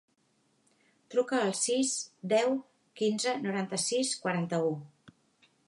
Truca al sis, deu, quinze, noranta-sis, quaranta-u.